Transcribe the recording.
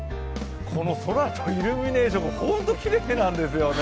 この空とイルミネーションがホントきれいなんですよね。